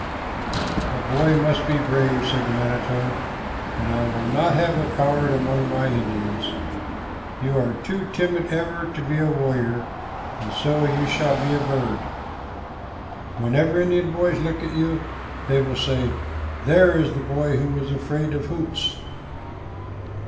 "A boy must be brave," said the manito, "and I will not have a coward among my Indians. You are too timid ever to be a warrior, and so you shall be a bird. Whenever Indian boys look at you, they will say, 'There is the boy who was afraid of Hoots.'"